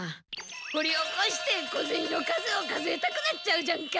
ほりおこして小ゼニの数を数えたくなっちゃうじゃんか！